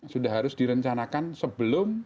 sudah harus direncanakan sebelum